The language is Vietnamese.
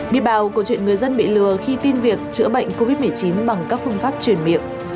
biết bào của chuyện người dân bị lừa khi tin việc chữa bệnh covid một mươi chín bằng các phương pháp chuyển miệng